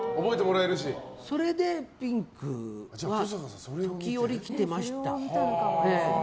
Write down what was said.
それでピンクは時折着てましたね。